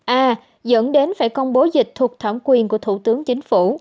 a dẫn đến phải công bố dịch thuộc thẩm quyền của thủ tướng chính phủ